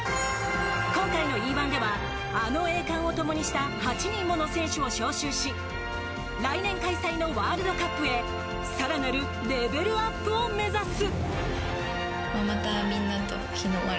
今回のＥ‐１ではあの栄冠をともにした８人もの選手を招集し来年、開催のワールドカップへさらなるレベルアップを目指す。